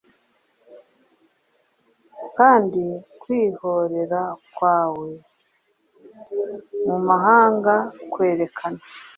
Kandi kwihorera kwawe mu mahanga kwerekana